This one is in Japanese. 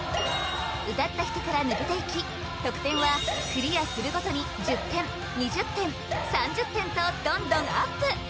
歌った人から抜けていき得点はクリアするごとに１０点２０点３０点とどんどんアップ